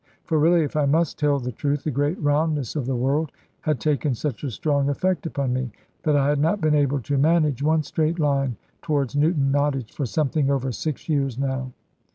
For really, if I must tell the truth, the great roundness of the world had taken such a strong effect upon me, that I had not been able to manage one straight line towards Newton Nottage for something over six years now.